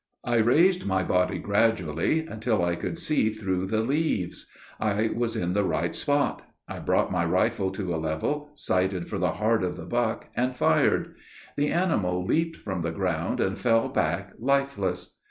I raised my body gradually, until I could see through the leaves. I was in the right spot. I brought my rifle to a level; sighted for the heart of the buck, and fired. The animal leaped from the ground, and fell back lifeless.